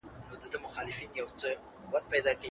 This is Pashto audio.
حياء ولي ښځي له علم څخه نه منع کولې؟